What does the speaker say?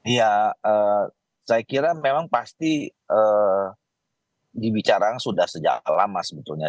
ya saya kira memang pasti dibicarakan sudah sejak lama sebetulnya